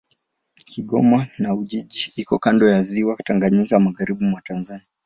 Kigoma na Ujiji iko kando ya Ziwa Tanganyika, magharibi mwa Tanzania.